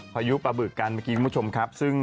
ภายุประบึกกันเมื่อกี้คุณผู้ชมครับภายุประบึก